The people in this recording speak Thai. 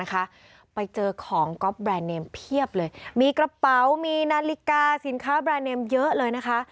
นะคะไปเจอของก็แบรนด์เทียบเลยมีกระเป๋ามีหน้าลิกาสินค้าแบรนด์ไม่เยอะเลยนะคะ